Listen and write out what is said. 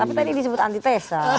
tapi tadi disebut antitesis